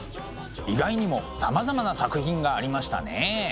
意外にもさまざまな作品がありましたね。